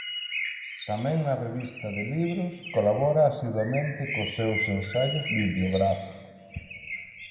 Tamén na "Revista de Libros" colabora asiduamente cos seus ensaios bibliográficos.